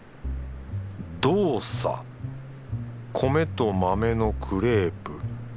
ドーサ米と豆のクレープ。